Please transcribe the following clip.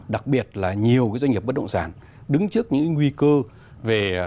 đặc biệt là nhiều cái doanh nghiệp bất động sản đứng trước những nguy cơ về